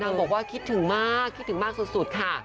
บอกว่าคิดถึงมากคิดถึงมากสุดค่ะ